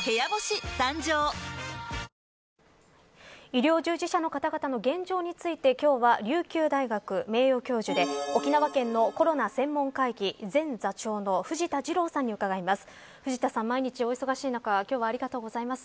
医療従事者の方々の現状について今日は、琉球大学名誉教授で沖縄県のコロナ専門会議前座長の藤田次郎さんに伺います。